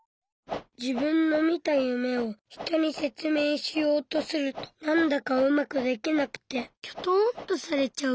自分の見た夢を人に説明しようとするとなんだかうまくできなくてキョトンとされちゃう。